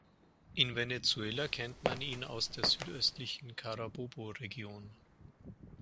In Venezuela kennt man ihn aus der südöstlichen Carabobo-Region.